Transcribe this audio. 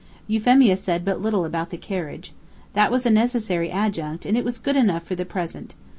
Euphemia said but little about the carriage. That was a necessary adjunct, and it was good enough for the present.